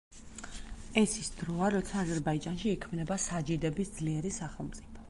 ეს ის დროა, როცა აზერბაიჯანში იქმნება საჯიდების ძლიერი სახელმწიფო.